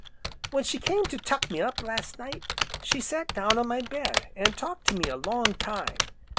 "When she came to 'tuck me up,' last night, she sat down on my bed, an' talked to me a long time.